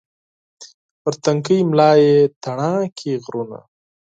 پر تنکۍ ملا یې تڼاکې غرونه